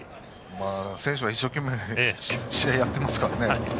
選手は一生懸命試合をやっていますからね。